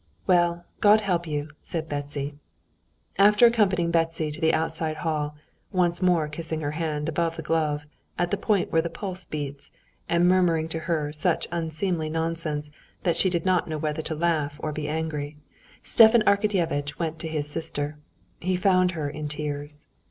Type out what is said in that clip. "Well, God help you!" said Betsy. After accompanying Betsy to the outside hall, once more kissing her hand above the glove, at the point where the pulse beats, and murmuring to her such unseemly nonsense that she did not know whether to laugh or be angry, Stepan Arkadyevitch went to his sister. He found her in tears.